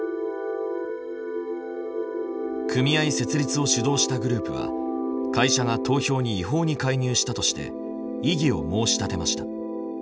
組合設立を主導したグループは会社が投票に違法に介入したとして異議を申し立てました。